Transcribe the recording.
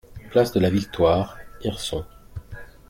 Place de la Victoire, Hirson